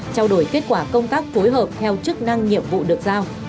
trao đổi kết quả công tác phối hợp theo chức năng nhiệm vụ được giao